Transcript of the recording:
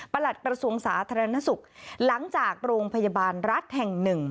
หลัดกระทรวงสาธารณสุขหลังจากโรงพยาบาลรัฐแห่งหนึ่ง